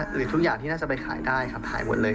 หรือทุกอย่างที่น่าจะไปขายได้ครับขายหมดเลย